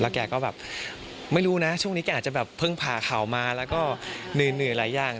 แกก็แบบไม่รู้นะช่วงนี้แกอาจจะแบบเพิ่งผ่าข่าวมาแล้วก็เหนื่อยหลายอย่าง